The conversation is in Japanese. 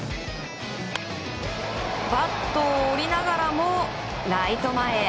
バットを折りながらもライト前へ。